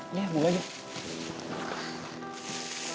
iya mulai dulu